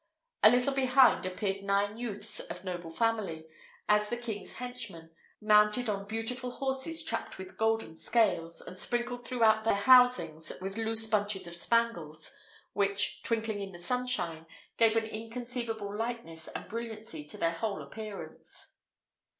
A little behind appeared nine youths of noble family, as the king's henchmen, mounted on beautiful horses trapped with golden scales, and sprinkled throughout their housings with loose bunches of spangles, which, twinkling in the sunshine, gave an inconceivable lightness and brilliancy to their whole appearance.